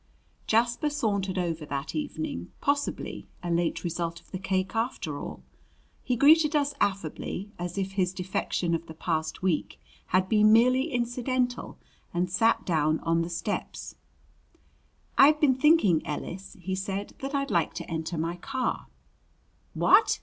Jasper sauntered over that evening, possibly a late result of the cake, after all. He greeted us affably, as if his defection of the past week had been merely incidental, and sat down on the steps. "I've been thinking, Ellis," he said, "that I'd like to enter my car." "What!"